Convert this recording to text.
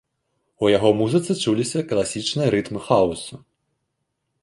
У яго музыцы чуліся класічныя рытмы хаўсу.